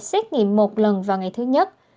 xét nghiệm một lần vào ngày thứ nhất